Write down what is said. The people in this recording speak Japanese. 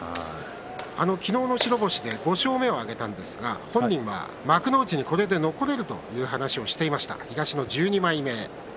昨日の白星で５勝目を挙げたんですが本人は幕内にこれで残れるという話をしてました東の１２枚目。